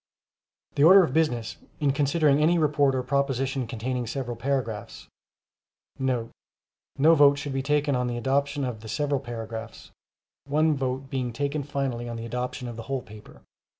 The order of business, in considering any report or proposition containing several paragraphs,* [No vote should be taken on the adoption of the several paragraphs,—one vote being taken finally on the adoption of the whole paper.